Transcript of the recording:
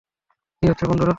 কী হচ্ছে, বন্ধুরা?